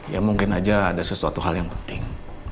ya mungkin aja ada sesuatu hal yang penting